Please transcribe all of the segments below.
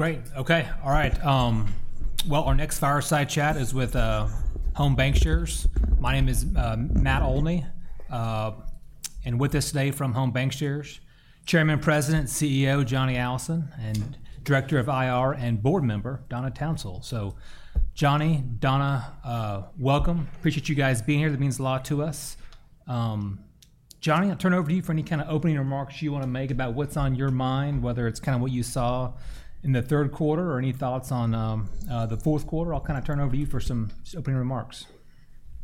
Great. Okay. All right. Well, our next fireside chat is with Home Bancshares. My name is Matt Olney, and with us today from Home Bancshares, Chairman, President, CEO Johnny Allison, and Director of IR and Board Member Donna Townsell. So, Johnny, Donna, welcome. Appreciate you guys being here. That means a lot to us. Johnny, I'll turn it over to you for any kind of opening remarks you want to make about what's on your mind, whether it's kind of what you saw in the third quarter or any thoughts on the fourth quarter. I'll kind of turn it over to you for some opening remarks.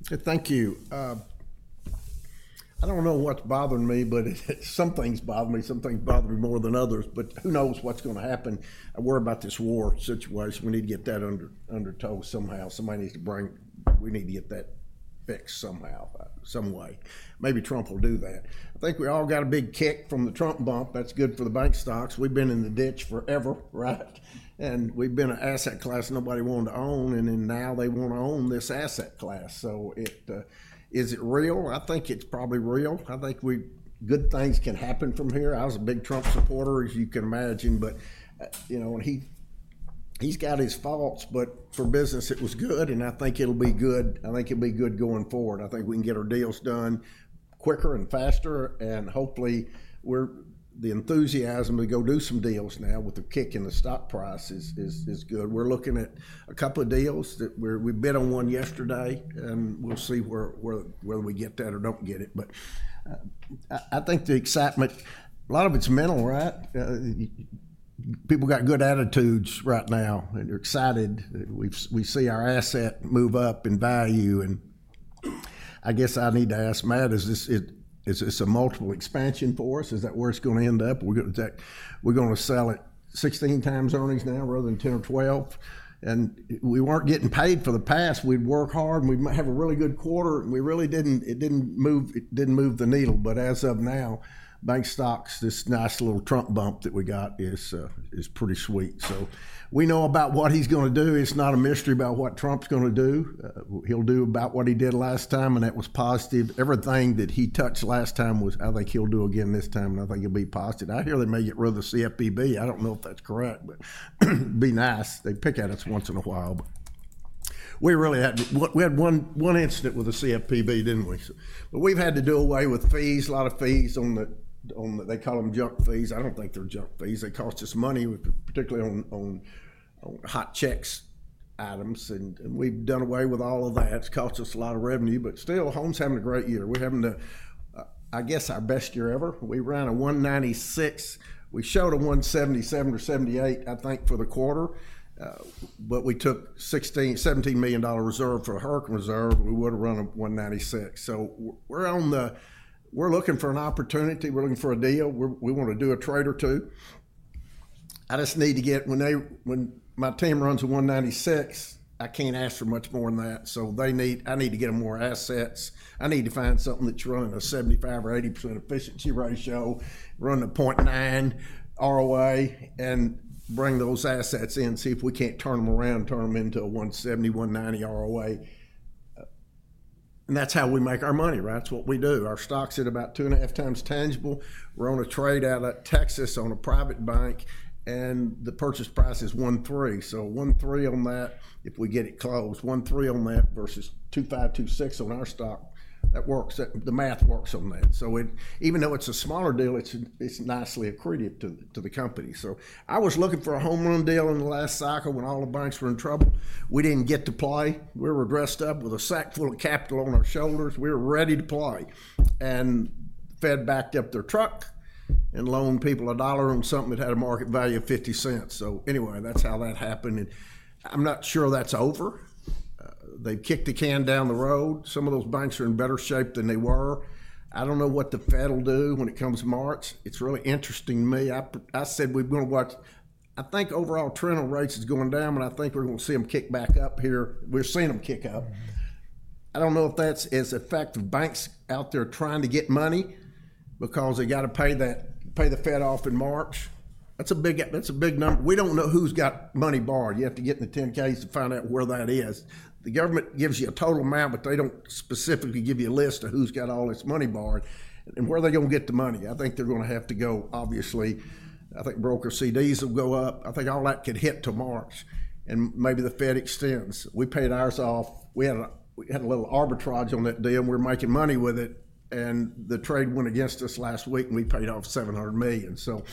Thank you. I don't know what's bothering me, but some things bother me. Some things bother me more than others, but who knows what's going to happen? I worry about this war situation. We need to get that under control somehow. Somebody needs to bring we need to get that fixed somehow, some way. Maybe Trump will do that. I think we all got a big kick from the Trump bump. That's good for the bank stocks. We've been in the ditch forever, right? And we've been an asset class nobody wanted to own, and then now they want to own this asset class. So it, is it real? I think it's probably real. I think good things can happen from here. I was a big Trump supporter, as you can imagine, but you know and he's got his faults, but for business, it was good. I think it'll be good. I think it'll be good going forward. I think we can get our deals done quicker and faster, and hopefully we're the enthusiasm to go do some deals now with a kick in the stock price is good. We're looking at a couple of deals that we bid on one yesterday, and we'll see where whether we get that or don't get it. But I think the excitement, a lot of it's mental, right? People got good attitudes right now, and they're excited. We see our asset move up in value. I guess I need to ask Matt, is this, it's a multiple expansion for us? Is that where it's going to end up? We're going to sell at 16 times earnings now rather than 10 or 12. We weren't getting paid for the past. We'd work hard, and we might have a really good quarter and we really didn't. It didn't move the needle, but as of now bank stocks, this nice little Trump bump that we got is pretty sweet. We know about what he's going to do. It's not a mystery about what Trump's going to do. He'll do about what he did last time, and that was positive. Everything that he touched last time was. I think he'll do again this time, and I think he'll be positive. I hear they may get rid of the CFPB. I don't know if that's correct, but it'd be nice. They pick at us once in a while, but we really had one incident with the CFPB, didn't we? We've had to do away with fees, a lot of fees on the. They call them junk fees. I don't think they're junk fees. They cost us money, particularly on hot checks items. And we've done away with all of that. It's cost us a lot of revenue. But still, Home's having a great year. We're having the, I guess our best year ever. We ran a 196. We showed a 177 or 178, I think, for the quarter. But we took $16-$17 million reserve for a hurricane reserve. We would have run a 196. So we're on the. We're looking for an opportunity. We're looking for a deal. We want to do a trade or two. I just need to get when my team runs a 196, I can't ask for much more than that. So they need. I need to get more assets. I need to find something that's running a 75% or 80% efficiency ratio, running a 0.9 ROA, and bring those assets in, see if we can't turn them around, turn them into a 170, 190 ROA. And that's how we make our money, right? That's what we do. Our stock's at about two and a half times tangible. We're on a trade out of Texas on a private bank, and the purchase price is 1.3. So 1.3 on that, if we get it closed, 1.3 on that versus 2.5, 2.6 on our stock, that works. The math works on that. So it—even though it's a smaller deal, it's—it's nicely accretive to the company. So I was looking for a home run deal in the last cycle when all the banks were in trouble. We didn't get to play. We were dressed up with a sack full of capital on our shoulders. We were ready to play. And Fed backed up their truck and loaned people $1 on something that had a market value of $0.50. So anyway, that's how that happened. And I'm not sure that's over. They've kicked the can down the road. Some of those banks are in better shape than they were. I don't know what the Fed will do when it comes to March. It's really interesting to me. I said we're going to watch. I think overall trend on rates is going down, but I think we're going to see them kick back up here. We're seeing them kick up. I don't know if that's as effective. Banks out there trying to get money because they got to pay that, pay the Fed off in March. That's a big, that's a big number. We don't know who's got money borrowed. You have to get in the 10-Ks to find out where that is. The government gives you a total amount, but they don't specifically give you a list of who's got all this money borrowed and where they're going to get the money. I think they're going to have to go, obviously. I think broker CDs will go up. I think all that could hit to March, and maybe the Fed extends. We paid ours off. We had a little arbitrage on that deal. We're making money with it, and the trade went against us last week, and we paid off $700 million. So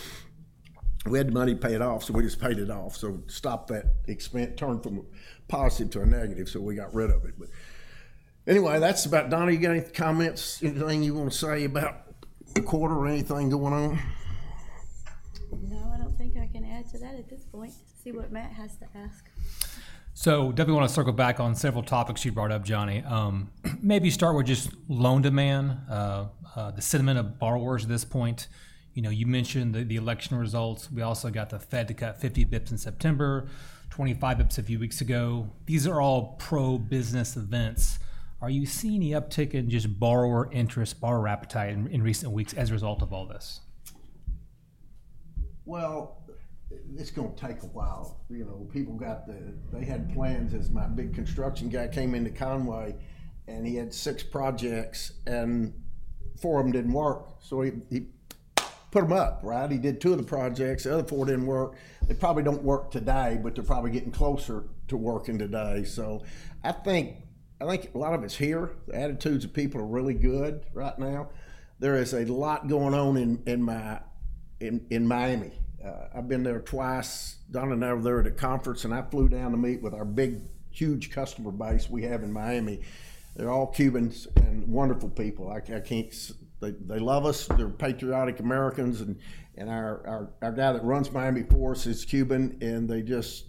we had money paid off, so we just paid it off. So stop that expense turn from a positive to a negative. So we got rid of it. But anyway, that's about Donna. You got any comments? Anything you want to say about the quarter or anything going on? No, I don't think I can add to that at this point. See what Matt has to ask. So definitely want to circle back on several topics you brought up, Johnny. Maybe start with just loan demand, the sentiment of borrowers at this point. You know, you mentioned the election results. We also got the Fed to cut 50 basis points in September, 25 basis points a few weeks ago. These are all pro-business events. Are you seeing the uptick in just borrower interest, borrower appetite in recent weeks as a result of all this? It's going to take a while. You know, they had plans as my big construction guy came into Conway, and he had six projects, and four of them didn't work. So he put them up, right? He did two of the projects. The other four didn't work. They probably don't work today, but they're probably getting closer to working today. So I think a lot of it's here. The attitudes of people are really good right now. There is a lot going on in Miami. I've been there twice. Donna and I were there at a conference, and I flew down to meet with our big huge customer base we have in Miami. They're all Cubans and wonderful people. They love us. They're patriotic Americans. And our guy that runs Miami Force is Cuban. They just,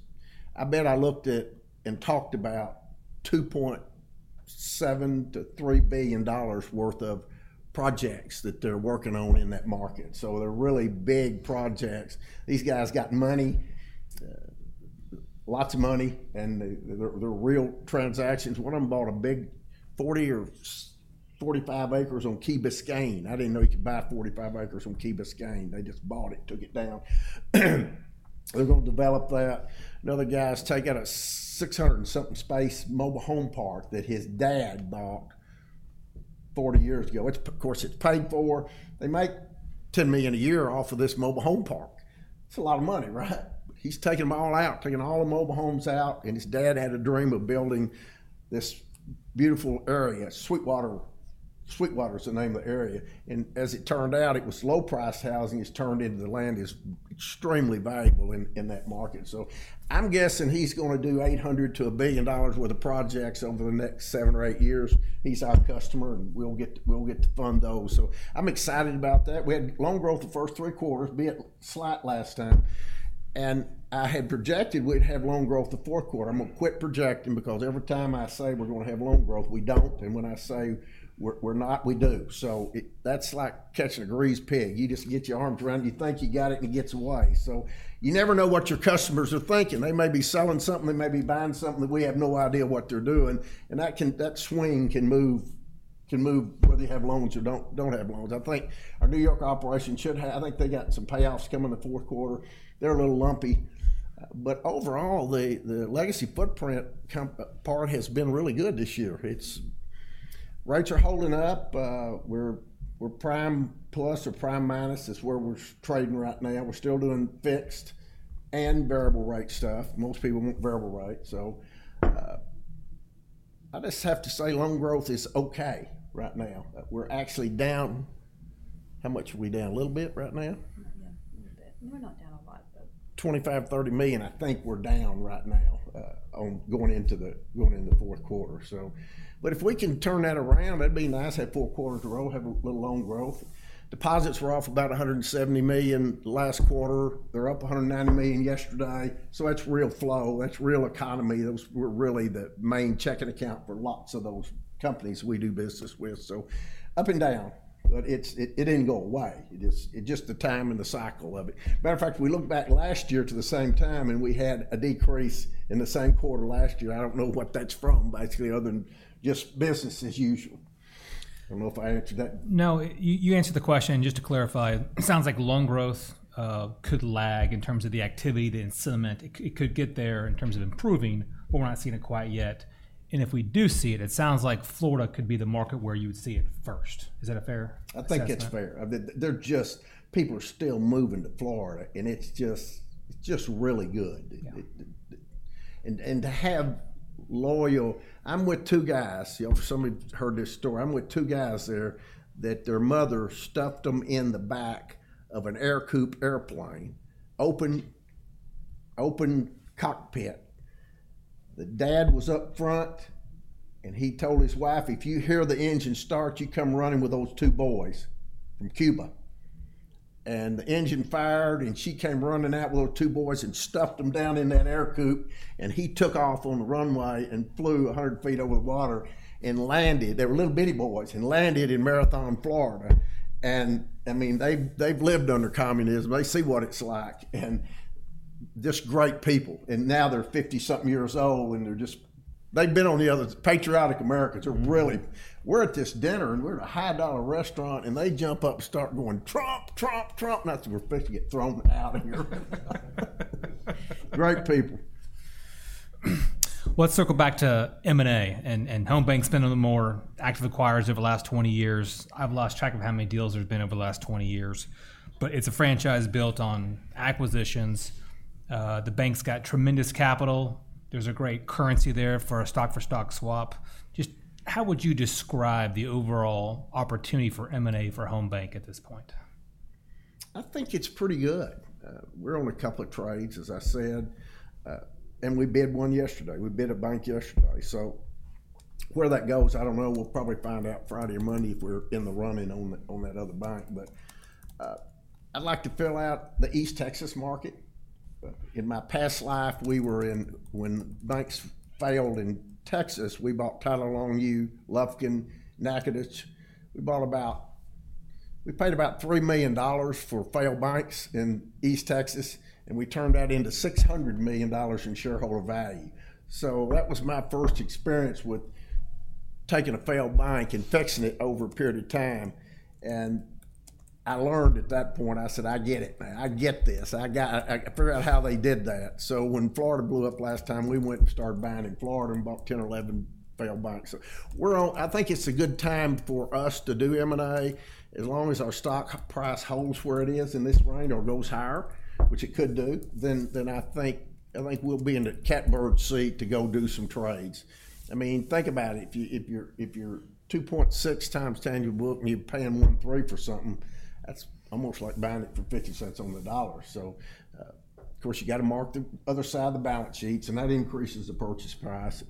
I bet I looked at and talked about $2.7-$3 billion worth of projects that they're working on in that market. So they're really big projects. These guys got money, lots of money, and they're real transactions. One of them bought a big 40 or 45 acres on Key Biscayne. I didn't know he could buy 45 acres on Key Biscayne. They just bought it, took it down. They're going to develop that. Another guy's taking a 600 and something space, mobile home park, that his dad bought 40 years ago, which, of course, it's paid for. They make $10 million a year off of this mobile home park. It's a lot of money, right? He's taking them all out, taking all the mobile homes out. His dad had a dream of building this beautiful area, Sweetwater. Sweetwater is the name of the area. As it turned out, it was low-priced housing has turned into the land is extremely valuable in, in that market. So I'm guessing he's going to do $800 million-$1 billion worth of projects over the next seven or eight years. He's our customer, and we'll get, we'll get to fund those. So I'm excited about that. We had loan growth the first three quarters, albeit slight last time. And I had projected we'd have loan growth the fourth quarter. I'm going to quit projecting because every time I say we're going to have loan growth, we don't. And when I say we're not, we do. So that's like catching a greased pig. You just get your arms around it. You think you got it, and it gets away. So you never know what your customers are thinking. They may be selling something. They may be buying something that we have no idea what they're doing. And that can, that swing can move whether you have loans or don't have loans. I think our New York operation should have. I think they got some payoffs coming in the fourth quarter. They're a little lumpy. But overall, the legacy footprint part has been really good this year. It's rates are holding up. We're prime plus or prime minus is where we're trading right now. We're still doing fixed and variable rate stuff. Most people want variable rate. So, I just have to say loan growth is okay right now. We're actually down. How much are we down? A little bit right now? Yeah, a little bit. We're not down a lot, though. $25-$30 million, I think we're down right now, going into the fourth quarter. So, but if we can turn that around, that'd be nice. Have four quarters in a row, have a little loan growth. Deposits were off about $170 million last quarter. They're up $190 million yesterday. So that's real flow. That's real economy. Those were really the main checking account for lots of those companies we do business with. So up and down, but it didn't go away. It just the time and the cycle of it. Matter of fact, we looked back last year to the same time, and we had a decrease in the same quarter last year. I don't know what that's from, basically, other than just business as usual. I don't know if I answered that. No, you answered the question. Just to clarify, it sounds like loan growth could lag in terms of the activity, the incentive. It could get there in terms of improving, but we're not seeing it quite yet, and if we do see it, it sounds like Florida could be the market where you would see it first. Is that a fair? I think it's fair. They're just, people are still moving to Florida, and it's just, it's just really good. And to have loyal, I'm with two guys. You know, some of you heard this story. I'm with two guys there that their mother stuffed them in the back of an Ercoupe airplane, open cockpit. The dad was up front, and he told his wife, "If you hear the engine start, you come running with those two boys from Cuba." And the engine fired, and she came running out with those two boys and stuffed them down in that Ercoupe. And he took off on the runway and flew 100 feet over the water and landed. They were little bitty boys and landed in Marathon, Florida. And I mean, they've lived under communism. They see what it's like. And just great people. And now they're 50-something years old, and they're just, they've been on the other side. Patriotic Americans are really, we're at this dinner, and we're at a high-dollar restaurant, and they jump up and start going, "Trump, Trump, Trump." And that's, we're about to get thrown out of here. Great people. Let's circle back to M&A and Home BancShares has been a little more active acquirers over the last 20 years. I've lost track of how many deals there's been over the last 20 years, but it's a franchise built on acquisitions. The bank's got tremendous capital. There's a great currency there for a stock-for-stock swap. Just how would you describe the overall opportunity for M&A for Home BancShares at this point? I think it's pretty good. We're on a couple of trades, as I said, and we bid one yesterday. We bid a bank yesterday. So where that goes, I don't know. We'll probably find out Friday or Monday if we're in the running on that, on that other bank. But I'd like to fill out the East Texas market. In my past life, we were in when banks failed in Texas, we bought Tyler, Longview, Lufkin, Nacogdoches. We bought about. We paid about $3 million for failed banks in East Texas, and we turned that into $600 million in shareholder value. So that was my first experience with taking a failed bank and fixing it over a period of time. And I learned at that point, I said, "I get it, man. I get this. I got—I figured out how they did that." So when Florida blew up last time, we went and started buying in Florida and bought 10 or 11 failed banks. So we're on—I think it's a good time for us to do M&A. As long as our stock price holds where it is in this range or goes higher, which it could do, then I think we'll be in the catbird seat to go do some trades. I mean, think about it. If you're 2.6 times tangible book and you're paying 1.3 for something, that's almost like buying it for $0.50 on the dollar. So, of course, you got to mark the other side of the balance sheets, and that increases the purchase price.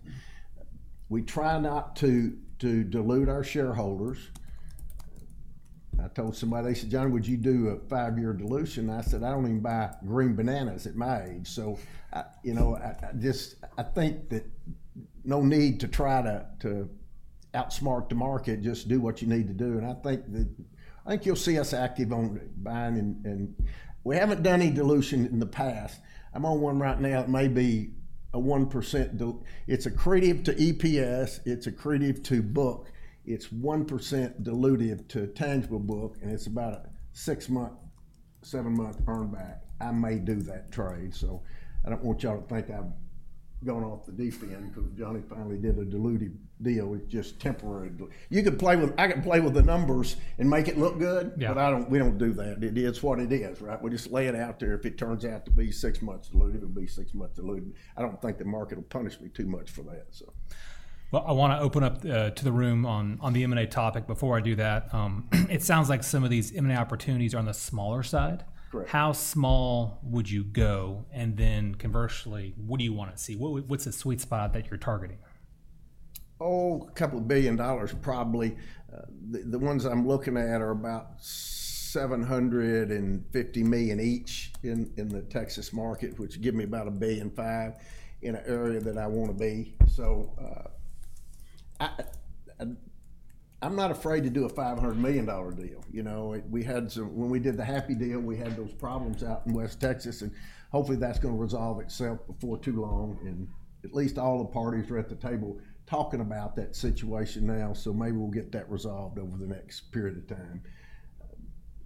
We try not to dilute our shareholders. I told somebody, they said, "John, would you do a five-year dilution?" I said, "I don't even buy green bananas at my age." So, you know, I just—I think that no need to try to, to outsmart the market. Just do what you need to do. And I think that—I think you'll see us active on buying in, in—we haven't done any dilution in the past. I'm on one right now. It may be a 1%. It's accretive to EPS. It's accretive to book. It's 1% diluted to tangible book. And it's about a six-month, seven-month earnback. I may do that trade. So I don't want y'all to think I've gone off the deep end because Johnny finally did a diluted deal. It's just temporary. You could play with—I can play with the numbers and make it look good, but I don't—we don't do that. It is what it is, right? We just lay it out there. If it turns out to be six months diluted, it'll be six months diluted. I don't think the market will punish me too much for that. I want to open up to the room on the M&A topic. Before I do that, it sounds like some of these M&A opportunities are on the smaller side. How small would you go? And then conversely, what do you want to see? What's the sweet spot that you're targeting? Oh, a couple of billion dollars probably. The ones I'm looking at are about $750 million each in the Texas market, which give me about $1.5 billion in an area that I want to be. So, I'm not afraid to do a $500 million deal. You know, when we did the Happy deal, we had those problems out in West Texas, and hopefully that's going to resolve itself before too long. And at least all the parties are at the table talking about that situation now. So maybe we'll get that resolved over the next period of time.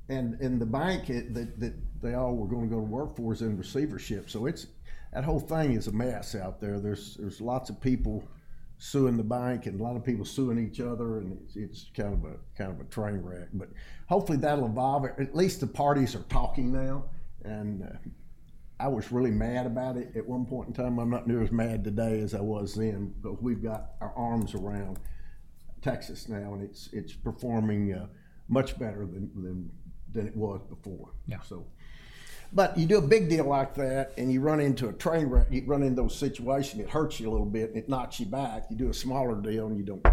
And in the bank that they all were going to go to work for is in receivership. So it's that whole thing is a mess out there. There's lots of people suing the bank and a lot of people suing each other. It's kind of a train wreck. Hopefully that'll evolve. At least the parties are talking now. I was really mad about it at one point in time. I'm not near as mad today as I was then because we've got our arms around Texas now, and it's performing much better than it was before. Yeah. So, but you do a big deal like that and you run into a train wreck. You run into those situations. It hurts you a little bit. It knocks you back. You do a smaller deal and you don't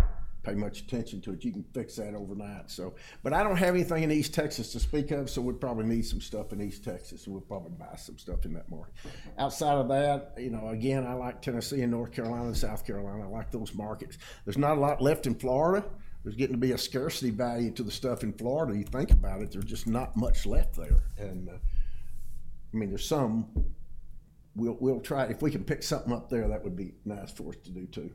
pay much attention to it. You can fix that overnight. So, but I don't have anything in East Texas to speak of. So we'd probably need some stuff in East Texas. We'll probably buy some stuff in that market. Outside of that, you know, again, I like Tennessee and North Carolina and South Carolina. I like those markets. There's not a lot left in Florida. There's getting to be a scarcity value to the stuff in Florida. You think about it. There's just not much left there. And, I mean, there's some. We'll try if we can pick something up there. That would be nice for us to do too.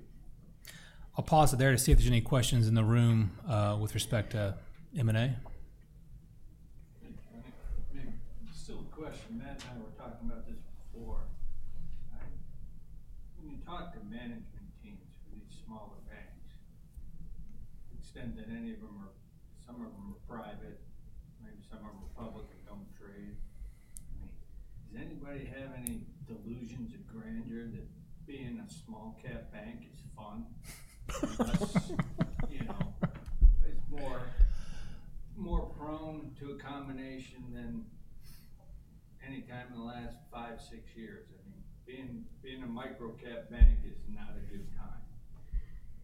I'll pause it there to see if there's any questions in the room, with respect to M&A. Just a question. Matt and I were talking about this before. When you talk to management teams for these smaller banks, do you get the sense that any of them are, some of them are private, maybe some of them are public and don't trade. I mean, does anybody have any delusions of grandeur that being a small-cap bank is fun? Unless, you know, it's more prone to a combination than anytime in the last five, six years. I mean, being a micro-cap bank is not a good time,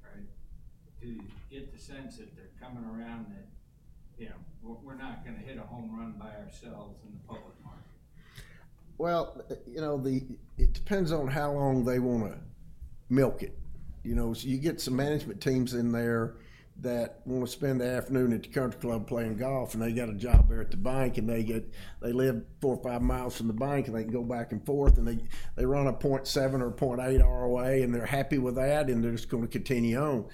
right? Do you get the sense that they're coming around that, you know, we're not going to hit a home run by ourselves in the public market? Well, you know, it depends on how long they want to milk it. You know, so you get some management teams in there that want to spend the afternoon at the country club playing golf, and they got a job there at the bank, and they live four or five miles from the bank, and they can go back and forth, and they run a 0.7 or 0.8 ROA, and they're happy with that, and they're just going to continue on.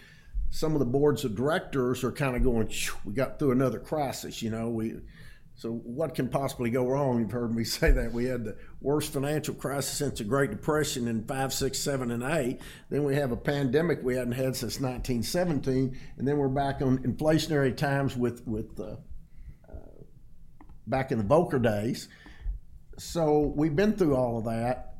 Some of the boards of directors are kind of going, "We got through another crisis." You know, so what can possibly go wrong? You've heard me say that we had the worst financial crisis since the Great Depression in five, six, seven, and eight. Then we have a pandemic we hadn't had since 1917, and then we're back to inflationary times, back in the Volcker days. So we've been through all of that.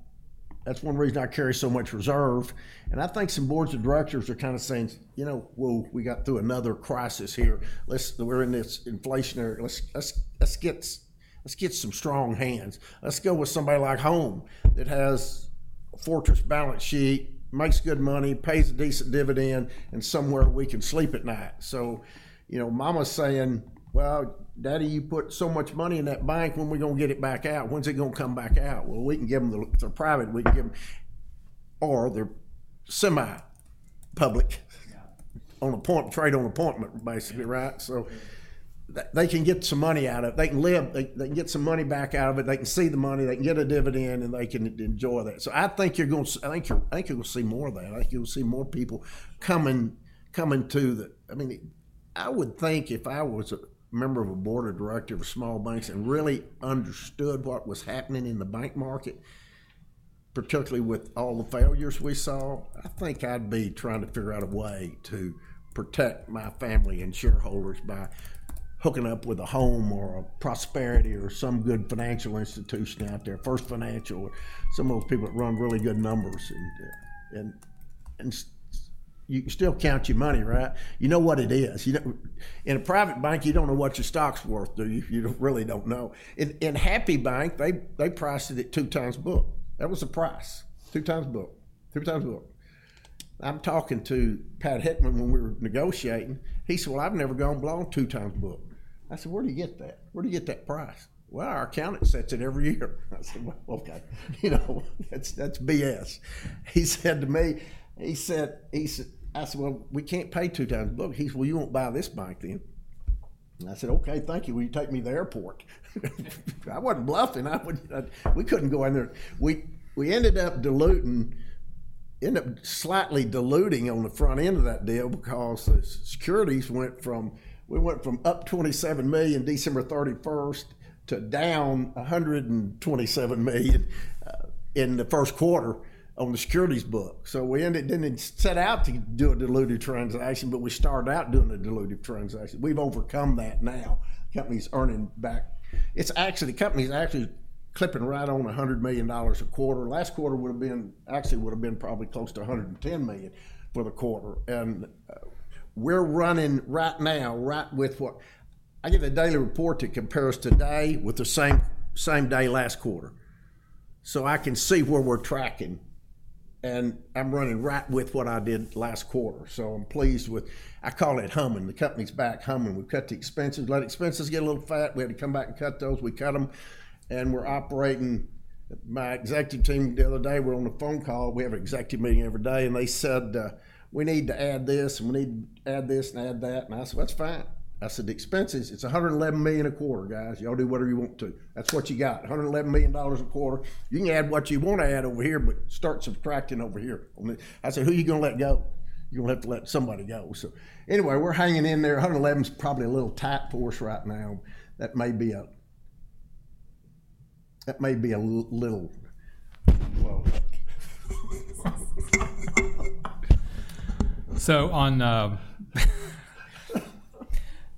That's one reason I carry so much reserve. And I think some boards of directors are kind of saying, you know, "Well, we got through another crisis here. We're in this inflationary. Let's get some strong hands. Let's go with somebody like Home that has a fortress balance sheet, makes good money, pays a decent dividend, and somewhere we can sleep at night." So, you know, mama's saying, "Well, daddy, you put so much money in that bank. When are we going to get it back out? When's it going to come back out?" Well, we can give them the private, or they're semi-public on appointment, trade on appointment, basically, right? So they can get some money out of it. They can live, they can get some money back out of it. They can see the money, they can get a dividend, and they can enjoy that. So I think you're going to see more of that. I think you'll see more people coming to the, I mean, I would think if I was a member of a board of directors of small banks and really understood what was happening in the bank market, particularly with all the failures we saw, I think I'd be trying to figure out a way to protect my family and shareholders by hooking up with a Home or a Prosperity or some good financial institution out there, First Financial, or some of those people that run really good numbers. And you can still count your money, right? You know what it is. You know, in a private bank, you don't know what your stock's worth, do you? You really don't know. In Happy Bank, they priced it at two times book. That was the price. Two times book. Two times book. I'm talking to Pat Hickman when we were negotiating. He said, "Well, I've never gone below two times book." I said, "Where do you get that? Where do you get that price?" "Well, our accountant sets it every year." I said, "Well, okay." You know, that's, that's BS. He said to me, I said, "Well, we can't pay two times book." He said, "Well, you won't buy this bank then." And I said, "Okay, thank you. Will you take me to the airport?" I wasn't bluffing. I wouldn't, we couldn't go in there. We ended up slightly diluting on the front end of that deal because the securities went from, we went from up $27 million December 31st to down $127 million in the first quarter on the securities book. So we ended, didn't set out to do a diluted transaction, but we started out doing a diluted transaction. We've overcome that now. Company's earning back. It's actually, the company's actually clipping right on $100 million a quarter. Last quarter would have been, actually would have been probably close to $110 million for the quarter. And we're running right now, right with what I get the daily report to compare us today with the same, same day last quarter. So I can see where we're tracking. And I'm running right with what I did last quarter. So I'm pleased with, I call it humming. The company's back humming. We've cut the expenses. Let expenses get a little fat. We had to come back and cut those. We cut them. And we're operating. My executive team the other day, we're on a phone call. We have an executive meeting every day. They said, "We need to add this and we need to add this and add that." I said, "That's fine." I said, "The expenses, it's $111 million a quarter, guys. Y'all do whatever you want to. That's what you got. $111 million a quarter. You can add what you want to add over here, but start subtracting over here." I said, "Who are you going to let go? You're going to have to let somebody go." Anyway, we're hanging in there. $111 million is probably a little tight for us right now. That may be a little low. So on,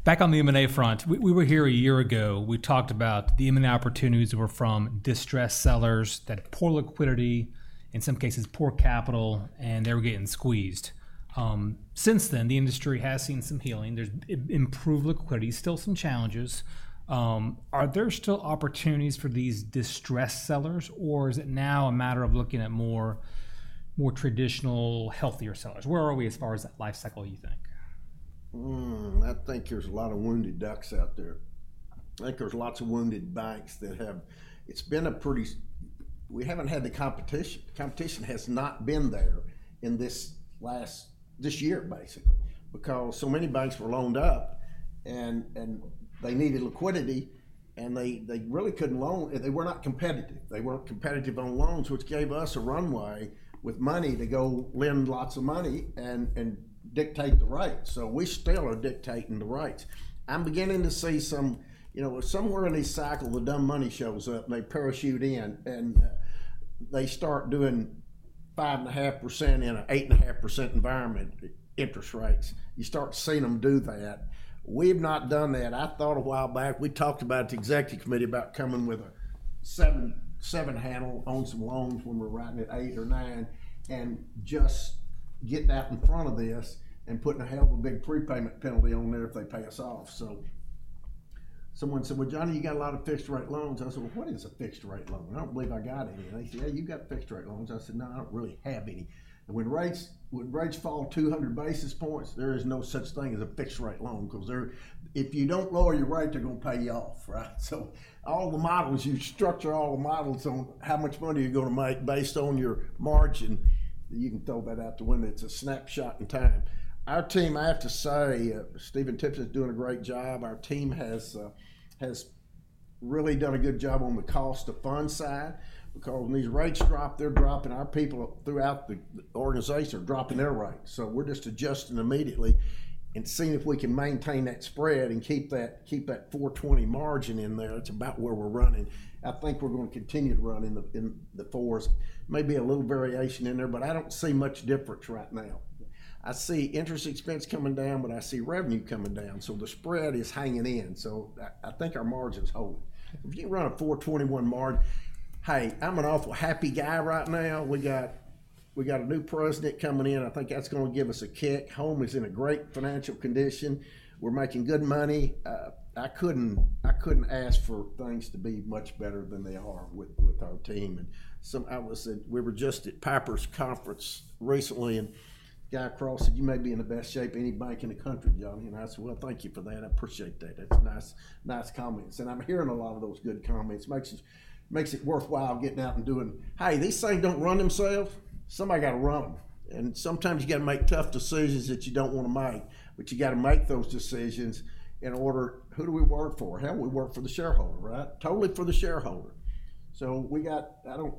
back on the M&A front, we were here a year ago. We talked about the M&A opportunities that were from distressed sellers, that poor liquidity, in some cases poor capital, and they were getting squeezed. Since then, the industry has seen some healing. There's improved liquidity, still some challenges. Are there still opportunities for these distressed sellers, or is it now a matter of looking at more traditional, healthier sellers? Where are we as far as that life cycle, you think? I think there's a lot of wounded ducks out there. I think there's lots of wounded banks that have, it's been a pretty, we haven't had the competition. The competition has not been there in this last, this year, basically, because so many banks were loaned up and they needed liquidity and they really couldn't loan. They were not competitive. They weren't competitive on loans, which gave us a runway with money to go lend lots of money and dictate the rights. So we still are dictating the rights. I'm beginning to see some, you know, somewhere in this cycle, the dumb money shows up and they parachute in and they start doing 5.5% in an 8.5% environment interest rates. You start seeing them do that. We've not done that. I thought a while back, we talked about the executive committee about coming with a seven, seven handle on some loans when we're writing at eight or nine and just getting out in front of this and putting a hell of a big prepayment penalty on there if they pay us off. So someone said, "Well, Johnny, you got a lot of fixed rate loans." I said, "Well, what is a fixed rate loan? I don't believe I got any." And they said, "Yeah, you got fixed rate loans." I said, "No, I don't really have any." And when rates, when rates fall 200 basis points, there is no such thing as a fixed rate loan because if you don't lower your rate, they're going to pay you off, right? So all the models, you structure all the models on how much money you're going to make based on your margin, you can throw that out the window. It's a snapshot in time. Our team, I have to say, Stephen Tipton is doing a great job. Our team has really done a good job on the cost of funds side because when these rates drop, they're dropping. Our people throughout the organization are dropping their rates. So we're just adjusting immediately and seeing if we can maintain that spread and keep that 4.20 margin in there. It's about where we're running. I think we're going to continue to run in the fours, maybe a little variation in there, but I don't see much difference right now. I see interest expense coming down, but I see revenue coming down. So the spread is hanging in. So I think our margin's holding. If you can run a 421 margin, hey, I'm an awful happy guy right now. We got, we got a new president coming in. I think that's going to give us a kick. Home is in a great financial condition. We're making good money. I couldn't, I couldn't ask for things to be much better than they are with, with our team. And some, I was at, we were just at Piper's conference recently and guy across said, "You may be in the best shape of any bank in the country, Johnny." And I said, "Well, thank you for that. I appreciate that. That's nice, nice comments." And I'm hearing a lot of those good comments. Makes it, makes it worthwhile getting out and doing, "Hey, these things don't run themselves. Somebody got to run them." And sometimes you got to make tough decisions that you don't want to make, but you got to make those decisions in order. Who do we work for? Hell, we work for the shareholder, right? Totally for the shareholder. So we got. I don't.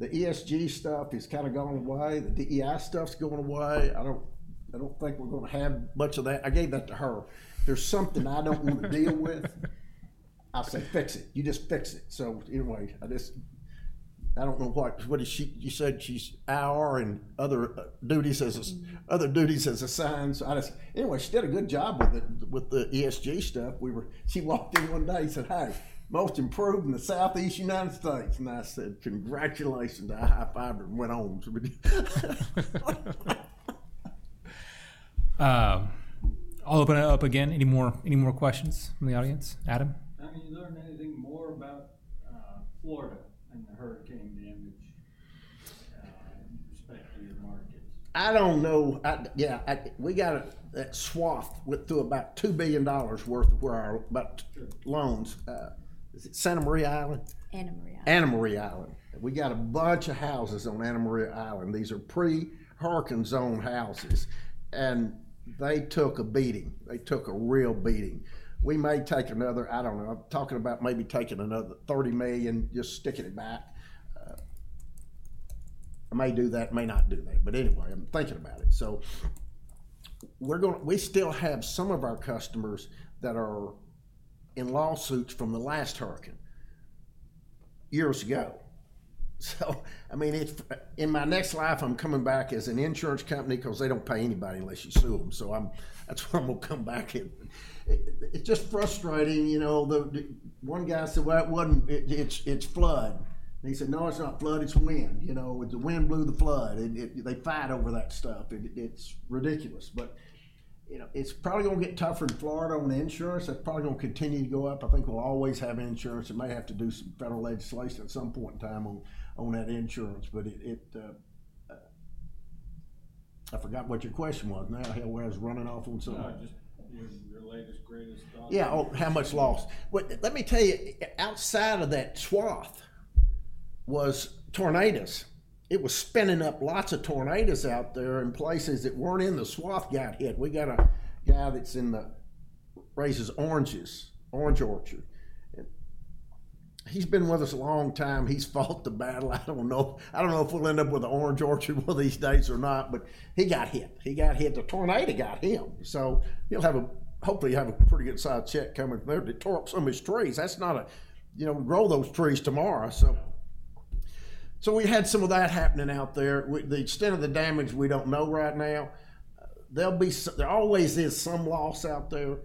The ESG stuff is kind of going away. The DEI stuff's going away. I don't. I don't think we're going to have much of that. I gave that to her. There's something I don't want to deal with. I say, "Fix it. You just fix it." So anyway, I just. I don't know what. What is she? You said she's our and other duties as a, other duties as assigned. So I just, anyway, she did a good job with the, with the ESG stuff. We were, she walked in one day and said, "Hey, most improved in the Southeast United States." And I said, "Congratulations" and went on. I'll open it up again. Any more, any more questions from the audience? Adam? Florida and the hurricane damage I don't know. Yeah, we got a, that swath went through about $2 billion worth of where our, but loans, is it Santa Maria Island? Anna Maria Island. Maria Island. We got a bunch of houses on Anna Maria Island. These are pre-Hurricane Zone houses. And they took a beating. They took a real beating. We may take another, I don't know. I'm talking about maybe taking another $30 million, just sticking it back. I may do that, may not do that. But anyway, I'm thinking about it. So we're going to. We still have some of our customers that are in lawsuits from the last hurricane years ago. So, I mean, if in my next life, I'm coming back as an insurance company because they don't pay anybody unless you sue them. So, that's why I'm going to come back in. It's just frustrating, you know. The one guy said, "Well, it wasn't, it's flood." And he said, "No, it's not flood, it's wind." You know, the wind blew the flood. And they fight over that stuff. It's ridiculous. But, you know, it's probably going to get tougher in Florida on insurance. It's probably going to continue to go up. I think we'll always have insurance. We may have to do some federal legislation at some point in time on that insurance. But it, I forgot what your question was. Now, hell, where I was running off on something. Yeah. Oh, how much loss? Well, let me tell you, outside of that swath was tornadoes. It was spinning up lots of tornadoes out there in places that weren't in the swath got hit. We got a guy that raises oranges, orange orchard. And he's been with us a long time. He's fought the battle. I don't know. I don't know if we'll end up with an orange orchard one of these days or not, but he got hit. He got hit. The tornado got him. So he'll have a, hopefully he'll have a pretty good sizeable check coming from there to replace some of his trees. That's not a, you know, grow those trees tomorrow. So, so we had some of that happening out there. The extent of the damage, we don't know right now. There'll be, there always is some loss out there.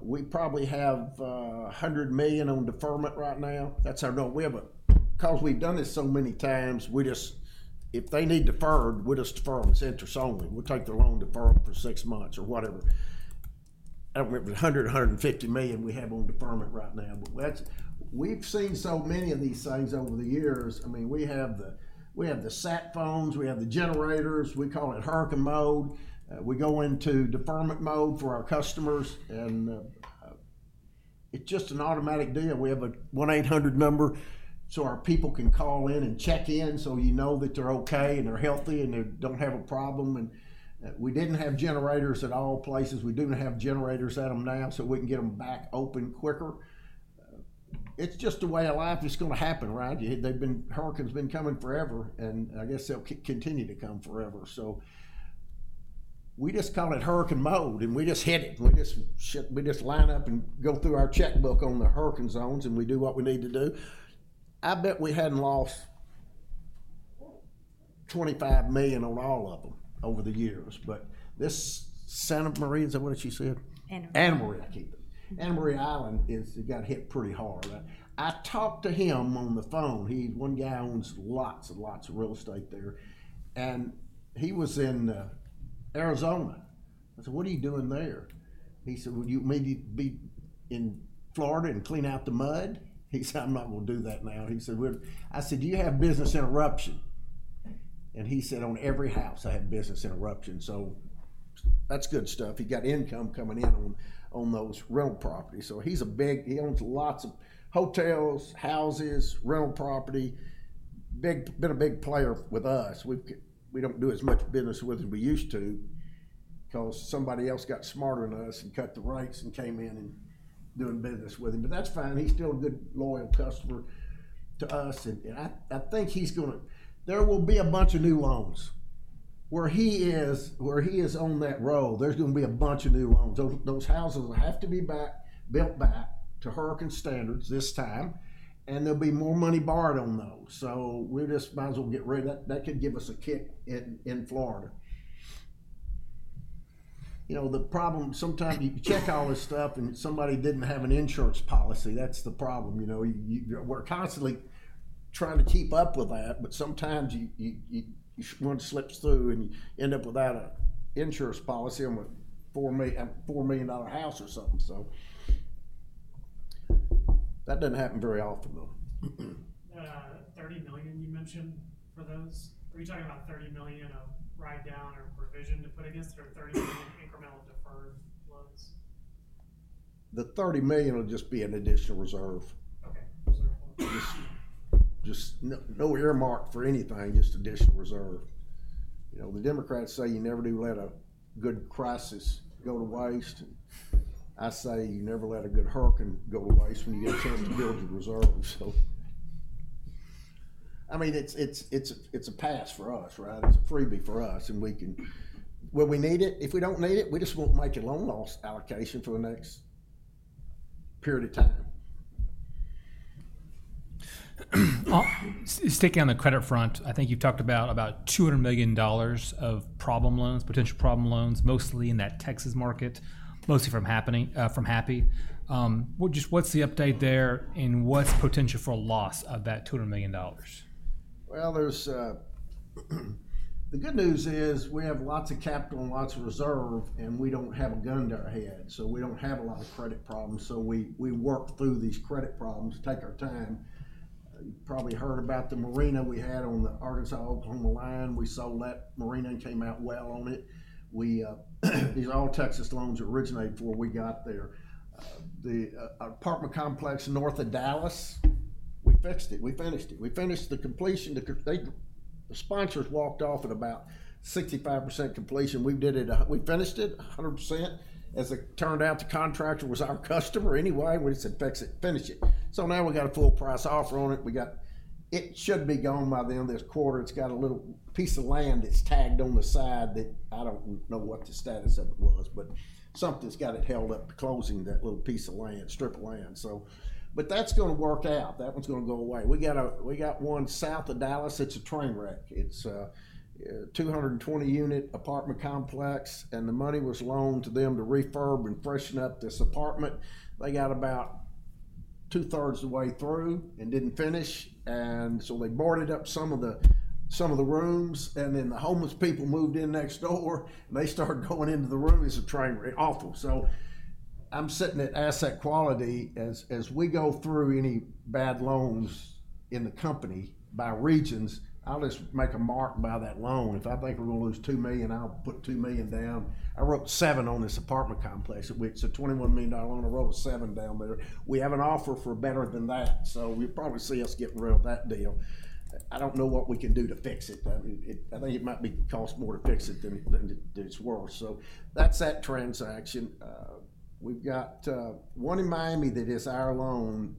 We probably have $100 million on deferment right now. That's how I know. We have a, because we've done this so many times, we just, if they need deferred, we'll just defer on its interest only. We'll take the loan deferred for six months or whatever. I don't remember the $100-$150 million we have on deferment right now, but that's, we've seen so many of these things over the years. I mean, we have the sat phones, we have the generators. We call it hurricane mode. We go into deferment mode for our customers, and it's just an automatic deal. We have a 1-800 number so our people can call in and check in so you know that they're okay and they're healthy and they don't have a problem, and we didn't have generators at all places. We do have generators at them now so we can get them back open quicker. It's just a way of life. It's going to happen, right? Hurricanes have been coming forever. And I guess they'll continue to come forever. So we just call it hurricane mode and we just hit it. We just line up and go through our checkbook on the hurricane zones and we do what we need to do. I bet we hadn't lost $25 million on all of them over the years. But this Anna Maria, is that what she said? Anna Maria. Anna Maria Island is. It got hit pretty hard. I talked to him on the phone. He's one guy owns lots and lots of real estate there. And he was in Arizona. I said, "What are you doing there?" He said, "Would you maybe be in Florida and clean out the mud?" He said, "I'm not going to do that now." He said, "We're." I said, "Do you have business interruption?" And he said, "On every house, I have business interruption." So that's good stuff. He got income coming in on those rental properties. So he's a big. He owns lots of hotels, houses, rental property. Big. Been a big player with us. We don't do as much business with him as we used to because somebody else got smarter than us and cut the rates and came in and doing business with him. But that's fine. He's still a good, loyal customer to us. I think he's going to, there will be a bunch of new loans. Where he is on that roll, there's going to be a bunch of new loans. Those houses will have to be back, built back to hurricane standards this time. There'll be more money borrowed on those. We're just about to get rid of that. That could give us a kick in Florida. You know, the problem, sometimes you check all this stuff and somebody didn't have an insurance policy. That's the problem. You know, we're constantly trying to keep up with that, but sometimes you want to slip through and you end up without an insurance policy on a $4 million house or something. That doesn't happen very often though. The $30 million you mentioned for those, are you talking about $30 million of write down or provision to put against it or $30 million incremental deferred loans? The $30 million will just be an additional reserve. Just no earmark for anything, just additional reserve. You know, the Democrats say you never do let a good crisis go to waste. I say you never let a good hurricane go to waste when you get a chance to build your reserve. So, I mean, it's a pass for us, right? It's a freebie for us. And we can, when we need it, if we don't need it, we just won't make a loan loss allocation for the next period of time. Sticking on the credit front, I think you've talked about $200 million of problem loans, potential problem loans, mostly in that Texas market, mostly from Happy. What's the update there and what's the potential for loss of that $200 million? There's the good news is we have lots of capital and lots of reserve, and we don't have a gun to our head. So we don't have a lot of credit problems. So we, we work through these credit problems, take our time. You probably heard about the marina we had on the Arkansas-Oklahoma line. We sold that marina and came out well on it. We, these all Texas loans originated before we got there. The apartment complex north of Dallas, we fixed it. We finished it. We finished the completion. They, the sponsors walked off at about 65% completion. We did it, we finished it 100%. As it turned out, the contractor was our customer anyway. We said, "Fix it, finish it." So now we got a full price offer on it. We got, it should be gone by the end of this quarter. It's got a little piece of land that's tagged on the side that I don't know what the status of it was, but something's got it held up to closing that little piece of land, strip of land. So, but that's going to work out. That one's going to go away. We got one south of Dallas. It's a train wreck. It's a 220-unit apartment complex. And the money was loaned to them to refurb and freshen up this apartment. They got about two-thirds of the way through and didn't finish. And so they boarded up some of the rooms. And then the homeless people moved in next door and they started going into the room. It's a train wreck. Awful. I'm sitting at asset quality. As we go through any bad loans in the company by regions, I'll just make a mark by that loan. If I think we're going to lose $2 million, I'll put $2 million down. I wrote $7 million on this apartment complex, which is a $21 million loan. I wrote a $7 million down there. We have an offer for better than that. You'll probably see us getting rid of that deal. I don't know what we can do to fix it. I think it might cost more to fix it than it's worth. That's that transaction. We've got one in Miami that is our loan,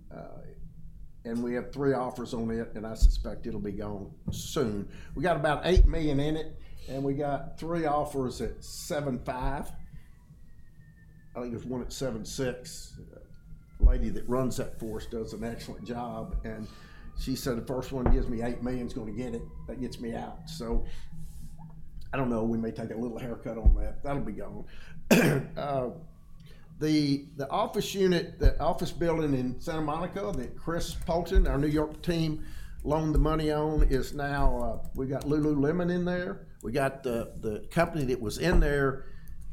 and we have three offers on it, and I suspect it'll be gone soon. We got about $8 million in it, and we got three offers at $7.5 million. I think there's one at $7.6 million. A lady that runs that for us does an excellent job. She said the first one gives me $8 million, is going to get it. That gets me out. So I don't know. We may take a little haircut on that. That'll be gone. The office building in Santa Monica that Chris Poulton, our New York team, loaned the money on is now, we've got Lululemon in there. We got the company that was in there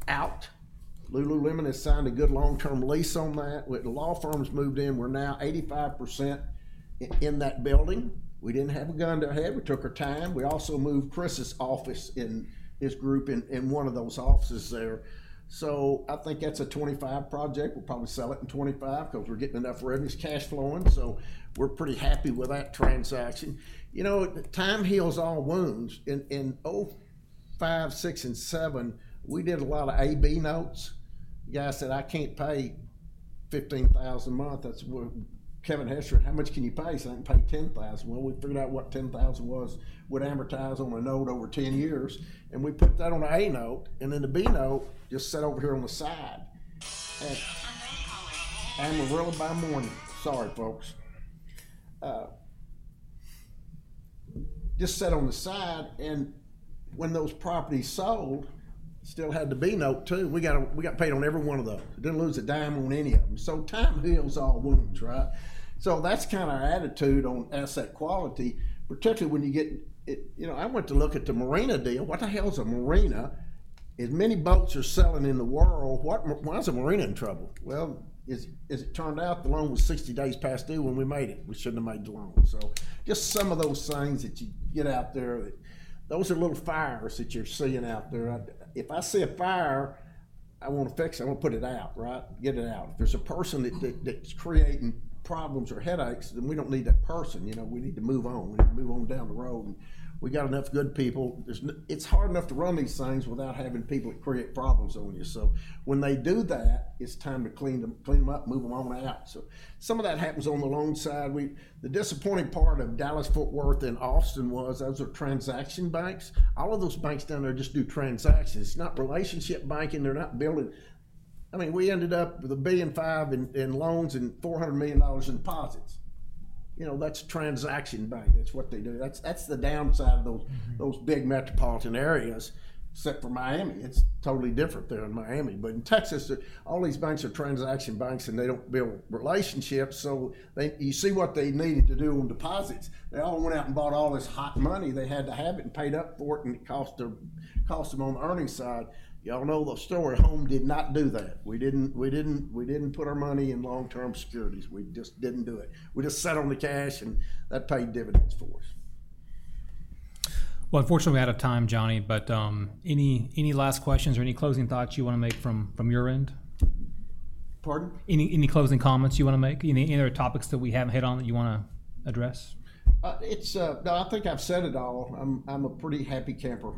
out. Lululemon has signed a good long-term lease on that. The law firms moved in. We're now 85% in that building. We didn't have a gun to our head. We took our time. We also moved Chris's office and his group in one of those offices there. So I think that's a $25 million project. We'll probably sell it in 25 because we're getting enough revenue cash flowing. So we're pretty happy with that transaction. You know, time heals all wounds. In 2005, 2006, and 2007, we did a lot of A/B notes. The guy said, "I can't pay $15,000 a month." That's what Kevin Hester [asked], "How much can you pay?" He said, "I can pay $10,000." Well, we figured out what $10,000 was, would amortize on a note over 10 years. And we put that on an A note. And then the B note just sat over here on the side. Amarillo by Morning. Sorry, folks. Just sat on the side. And when those properties sold, still had the B note too. We got paid on every one of those. Didn't lose a dime on any of them. So time heals all wounds, right? So that's kind of our attitude on asset quality, particularly when you get, you know, I went to look at the marina deal. What the hell's a marina? As many boats are selling in the world, what's a marina in trouble? Well, as it turned out, the loan was 60 days past due when we made it. We shouldn't have made the loan. So just some of those things that you get out there, those are little fires that you're seeing out there. If I see a fire, I want to fix it. I want to put it out, right? Get it out. If there's a person that's creating problems or headaches, then we don't need that person. You know, we need to move on. We need to move on down the road. We got enough good people. It's hard enough to run these things without having people that create problems on you. So when they do that, it's time to clean them, clean them up, move them on out. So some of that happens on the loan side. The disappointing part of Dallas, Fort Worth, and Austin was those are transaction banks. All of those banks down there just do transactions. It's not relationship banking. They're not building. I mean, we ended up with $1.5 billion in loans and $400 million in deposits. You know, that's a transaction bank. That's what they do. That's the downside of those big metropolitan areas. Except for Miami, it's totally different there in Miami. But in Texas, all these banks are transaction banks and they don't build relationships. So you see what they needed to do on deposits. They all went out and bought all this hot money. They had to have it and paid up for it and it cost them, cost them on the earnings side. You all know the story. Home did not do that. We didn't, we didn't, we didn't put our money in long-term securities. We just didn't do it. We just sat on the cash and that paid dividends for us. Unfortunately, we're out of time, Johnny. But any last questions or any closing thoughts you want to make from your end? Pardon? Any closing comments you want to make? Any other topics that we haven't hit on that you want to address? It's, no, I think I've said it all. I'm a pretty happy camper.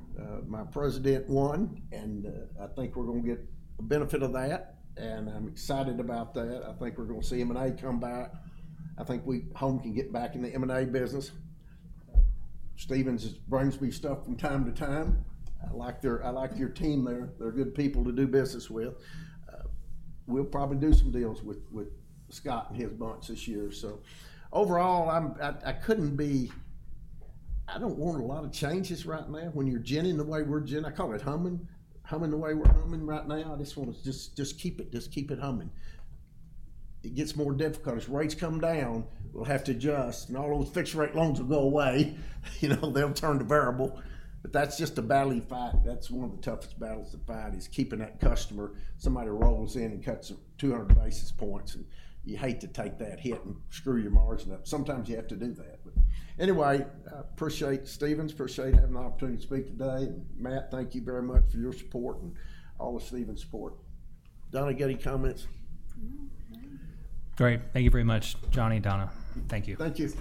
My president won and, I think we're going to get a benefit of that. And I'm excited about that. I think we're going to see M&A come back. I think we, Home can get back in the M&A business. Stephens brings me stuff from time to time. I like their, I like your team there. They're good people to do business with. We'll probably do some deals with Scouten and his bunch this year. So overall, I'm, I couldn't be, I don't want a lot of changes right now. When you're humming the way we're humming, I call it humming, humming the way we're humming right now. I just want to just keep it, just keep it humming. It gets more difficult as rates come down. We'll have to adjust. And all those fixed-rate loans will go away. You know, they'll turn to variable. But that's just a battle you fight. That's one of the toughest battles to fight is keeping that customer. Somebody rolls in and cuts 200 basis points. And you hate to take that hit and screw your margin up. Sometimes you have to do that. But anyway, I appreciate Stephens. Appreciate having the opportunity to speak today. And Matt, thank you very much for your support and all of Stephens' support. Donna, any comments? Great. Thank you very much, Johnny and Donna. Thank you. Thank you.